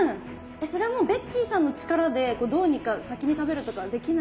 それはもうベッキーさんの力でどうにか先に食べるとかできないんですか？